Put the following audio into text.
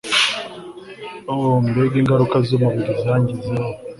o mbega ingaruka z'umubiri zangizeho